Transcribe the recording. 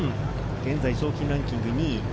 現在、賞金ランキング２位。